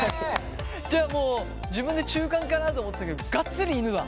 じゃあもう自分で中間かなと思ったけどガッツリ犬だ。